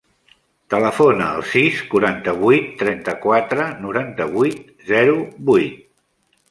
Telefona al sis, quaranta-vuit, trenta-quatre, noranta-vuit, zero, vuit.